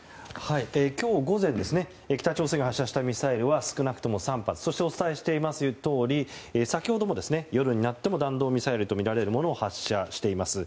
今日午前北朝鮮が発射したミサイルは少なくとも３発とお伝えしていますとおり先ほども夜になっても弾道ミサイルとみられるものを発射しています。